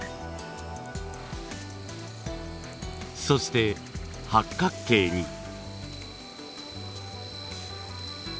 そして八角形に。